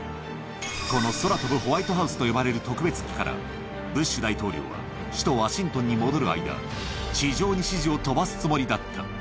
この空飛ぶホワイトハウスと呼ばれる特別機から、ブッシュ大統領は首都ワシントンに戻る間、地上に指示を飛ばすつもりだった。